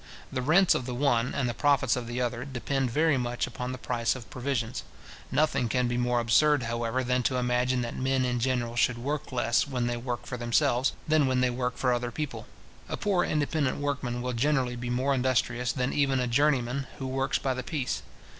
The rents of the one, and the profits of the other, depend very much upon the price of provisions. Nothing can be more absurd, however, than to imagine that men in general should work less when they work for themselves, than when they work for other people. A poor independent workman will generally be more industrious than even a journeyman who works by the piece.